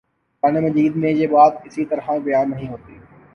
قرآنِ مجید میں یہ بات اس طرح بیان نہیں ہوئی